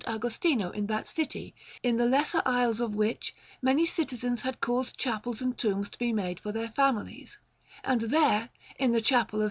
Agostino in that city, in the lesser aisles of which many citizens had caused chapels and tombs to be made for their families; and there, in the Chapel of S.